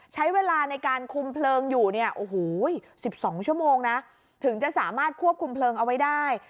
ใช้เวลาในการคุมเพลิงอยู่เนี่ยโอ้โห๑๒ชั่วโมงนะถึงจะสามารถควบคุมเพลิงเอาไว้ได้